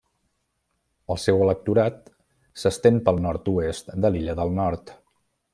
El seu electorat s'estén pel nord-oest de l'illa del Nord.